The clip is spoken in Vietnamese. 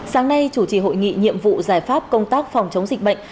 sáng nay chủ trì hội nghị nhiệm vụ giải pháp công tác phòng chống dịch bệnh